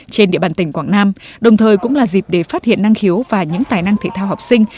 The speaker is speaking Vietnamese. trên địa bàn tỉnh quảng nam đồng thời cũng là dịp để phát hiện năng khiếu và những tài năng thể thao học sinh